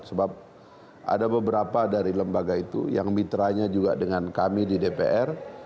sebab ada beberapa dari lembaga itu yang mitranya juga dengan kami di dpr